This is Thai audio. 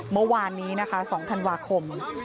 เมื่อวานนี้นะคะ๒ธันวาคม